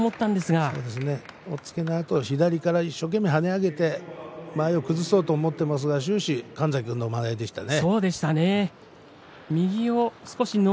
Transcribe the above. そのあと左から一生懸命跳ね上げて間合いを崩そうと思っていましたが終始、神崎の間合いでしたね。